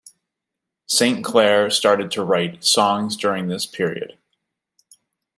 Saint Clair started to write songs during this period.